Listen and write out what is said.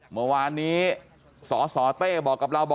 เมื่อวานนี้สสเต้บอกกับเราบอก